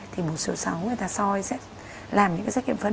thì một số sáu người ta soi sẽ làm những cái xét kiệm phân